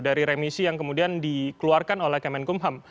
dari remisi yang kemudian dikeluarkan oleh kemenkumham